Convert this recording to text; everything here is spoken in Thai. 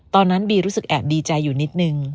ตอนนั้นบีรู้สึกแอบดีใจอยู่นิดนึง